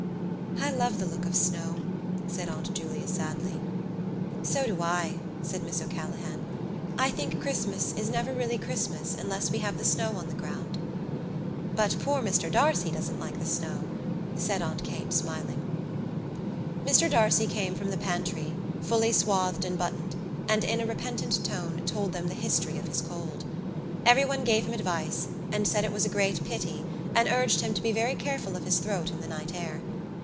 "I love the look of snow," said Aunt Julia sadly. "So do I," said Miss O'Callaghan. "I think Christmas is never really Christmas unless we have the snow on the ground." "But poor Mr D'Arcy doesn't like the snow," said Aunt Kate, smiling. Mr D'Arcy came from the pantry, fully swathed and buttoned, and in a repentant tone told them the history of his cold. Everyone gave him advice and said it was a great pity and urged him to be very careful of his throat in the night air.